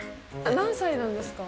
何歳なんですか？